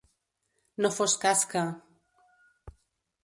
No fos cas que.